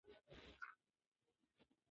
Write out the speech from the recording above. د ماشوم د تبه پر مهال مايعات زيات کړئ.